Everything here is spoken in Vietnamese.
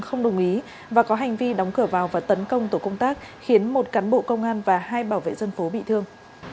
không đồng ý và có hành vi đóng cửa vào và tấn công tổ công tác khiến một cán bộ công an và hai bảo vệ dân phố bị thương